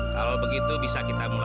kalau begitu bisa kita mulai